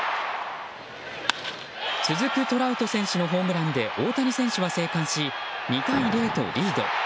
続くトラウト選手のホームランで大谷選手は生還し２対０とリード。